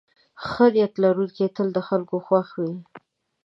ښه نیت لرونکی تل د خلکو خوښ وي.